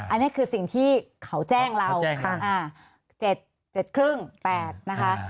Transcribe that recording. อันนี้คือสิ่งที่เค้าแจ้งเรา๗๕๘นะคะ